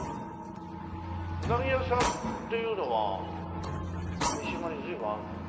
うなぎ屋さんっていうのは三島に随分あるの？